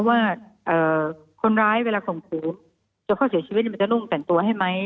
ว่าคนร้ายเวลาข่มขู่จนเขาเสียชีวิตมันจะนุ่งแต่งตัวให้ไหม